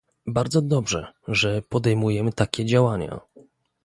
Bardzo dobrze, że podejmujemy takie działania